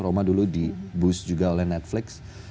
roma dulu di boost juga oleh netflix